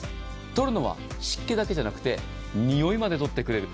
取るのは湿気だけじゃなくて臭いまで取ってくれる。